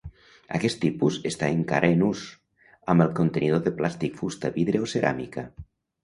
Aquest tipus està encara en ús, amb el contenidor de plàstic, fusta, vidre o ceràmica.